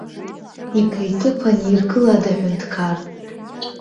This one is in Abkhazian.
Иԥа иҭыԥан иргылада аҳәынҭқар?